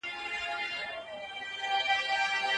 الله تعالی پدې اړه حکم کوي.